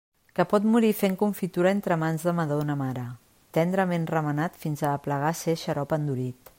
Que pot morir fent confitura entre mans de madona mare, tendrament remenat fins a aplegar a ser xarop endurit.